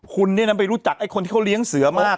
คุณเนี่ยนะไปรู้จักไอ้คนที่เขาเลี้ยงเสือมาก